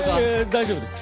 大丈夫です。